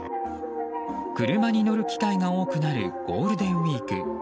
車に乗る機会が多くなるゴールデンウィーク。